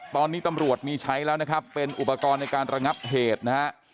ตอนนี้ตำรวจมีใช้แล้วนะครับเป็นอุปกรณ์ในการระงับเหตุนะฮะ